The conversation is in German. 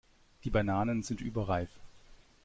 Die Bananen sind überreif.